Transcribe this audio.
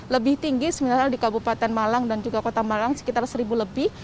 lebih tinggi sebenarnya di kabupaten malang dan juga kota malang sekitar seribu lebih